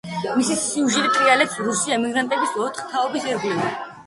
მისი სიუჟეტი ტრიალებს რუსი ემიგრანტების ოთხი თაობის ირგვლივ.